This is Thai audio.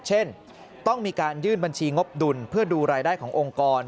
เช่นต้องมีการยื่นบัญชีงบดุลเพื่อดูรายได้ขององค์กร